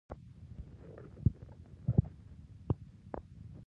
د غلیان او انجماد د نقطو بدلون په مقدار پورې تړلی دی.